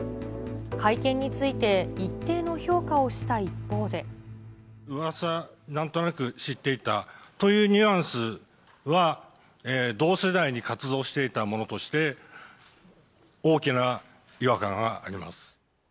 会見について、うわさ、なんとなく知っていたというニュアンスは、同世代に活動していた者として、大きな違和感があります。